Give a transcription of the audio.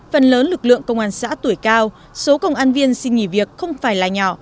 phần lớn lực lượng công an xã tuổi cao số công an viên xin nghỉ việc không phải là nhỏ